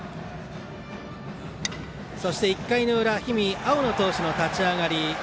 そして、１回の裏、氷見青野投手の立ち上がり。